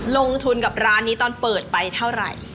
ลงทุนกับร้านนี้ตอนเปิดไปเท่าไหร่